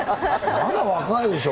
まだ若いでしょう。